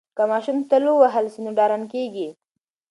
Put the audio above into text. که ماشوم تل ووهل سي نو ډارن کیږي.